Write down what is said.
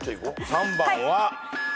３番は。